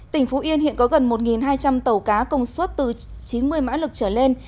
tỉnh phú yên hiện có gần một hai trăm linh tàu cá công suất từ chín mươi mã lực trở lên